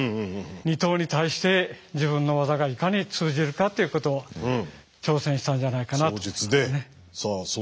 二刀に対して自分の技がいかに通じるかっていうことを挑戦したんじゃないかなと思いますね。